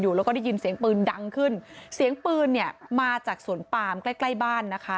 แล้วก็ได้ยินเสียงปืนดังขึ้นเสียงปืนเนี่ยมาจากสวนปามใกล้ใกล้บ้านนะคะ